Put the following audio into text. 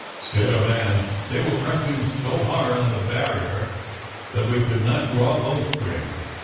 Said a man: "They were pressing so hard on the barrier, that we could not draw a bowstring.